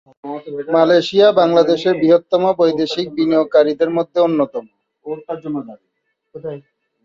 Malaysia বাংলাদেশের বৃহত্তম বৈদেশিক বিনিয়োগকারীদের মধ্যে অন্যতম।